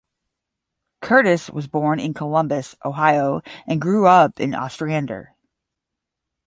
Curtis was born in Columbus, Ohio and grew up in Ostrander.